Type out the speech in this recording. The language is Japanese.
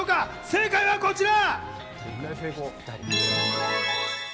正解はこちら。